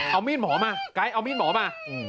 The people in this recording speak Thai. เอามีดหมอมาไกด์เอามีดหมอมา